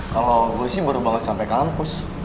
kalau gue sih baru banget sampai kampus